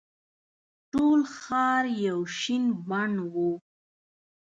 ټول ښار یو شین بڼ وو.